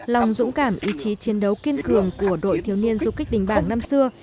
lòng dũng cảm ý chí chiến đấu kiên cường của đội thiếu niên du kích đình bảng năm xưa